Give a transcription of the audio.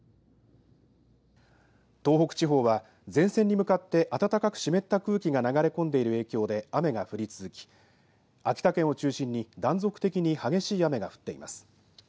東北地方は前線に向かって暖かく湿った空気が流れ込んでいる影響で雨が降り続き秋田県を中心に断続的に激しい雨が降っています。